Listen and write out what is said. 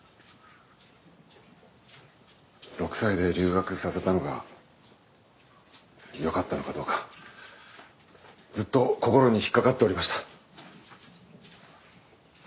６歳で留学させたのがよかったのかどうかずっと心に引っかかっておりました。